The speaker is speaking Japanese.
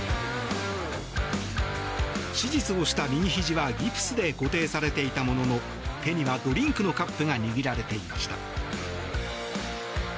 手術をした右ひじはギプスで固定されていたものの手にはドリンクのカップが握られていました。